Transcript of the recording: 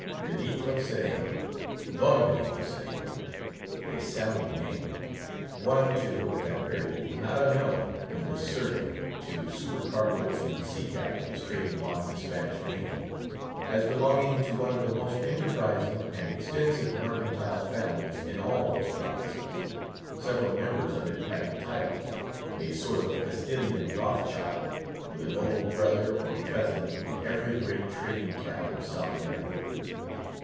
Benito Cereno—Don Benito Cereno—a sounding name. One, too, at that period, not unknown, in the surname, to super cargoes and sea captains trading along the Spanish Main, as belonging to one of the most enterprising and extensive mercantile families in all those provinces; several members of it having titles; a sort of Castilian Rothschild, with a noble brother, or cousin, in every great trading town of South America.